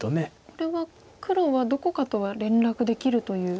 これは黒はどこかとは連絡できるという。